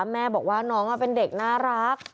แม่บอกว่าน้องเป็นเด็กน่ารัก